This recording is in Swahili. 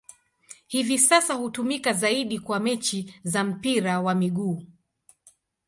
Hivi sasa hutumika zaidi kwa mechi za mpira wa miguu.